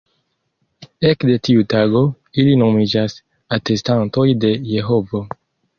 Ekde tiu tago, ili nomiĝas "Atestantoj de Jehovo".